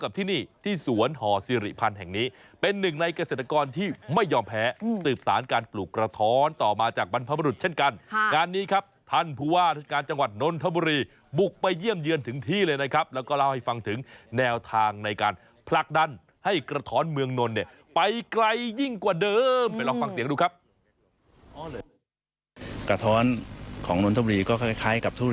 รับรองว่าอร่อยเพราะฉะนั้นคุณผู้ชมรออะไรล่ะไปลองทานดู